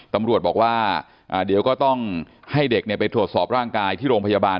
ตำรวจบอกว่าเดี๋ยวก็ต้องให้เด็กไปตรวจสอบร่างกายที่โรงพยาบาล